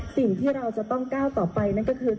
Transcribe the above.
สิ่งที่เราจะต้องก้าวต่อไปนั่นก็คือ